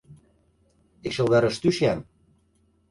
Ik sil wer ris thús sjen.